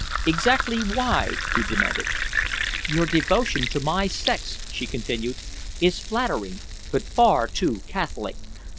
"Exactly why?" he demanded. "Your devotion to my sex," she continued, "is flattering but far too catholic.